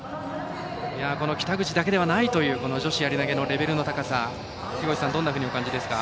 この北口だけではないという女子やり投げのレベルの高さどんなふうにお感じですか？